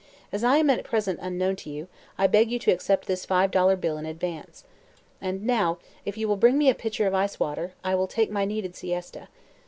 "As I am at present unknown to you, I beg you to accept this five dollar bill in advance. And now, if you will bring me a pitcher of ice water, I will take my needed siesta.